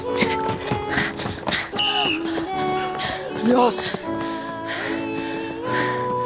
よし！